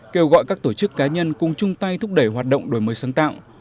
kêu gọi các tổ chức cá nhân cùng chung tay thúc đẩy hoạt động đổi mới sáng tạo